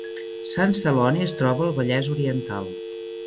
Sant Celoni es troba al Vallès Oriental